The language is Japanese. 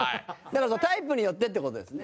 タイプによってって事ですね。